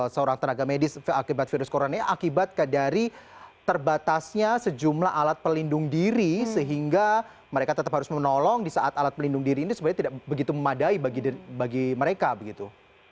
seorang tenaga medis akibat virus corona ini akibat dari terbatasnya sejumlah alat pelindung diri sehingga mereka tetap harus menolong di saat alat pelindung diri ini sebenarnya tidak begitu memadai bagi mereka begitu